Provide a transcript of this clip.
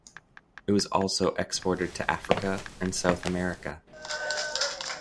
It was also exported to Africa and South America.